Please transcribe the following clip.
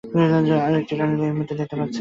আরেকটা টর্নেডোকে এই মুহূর্তে আপনারা দেখতে পাচ্ছেন!